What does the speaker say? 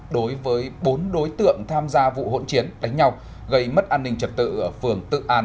đối với bốn đối tượng tham gia vụ hỗn chiến đánh nhau gây mất an ninh trật tự ở phường tự an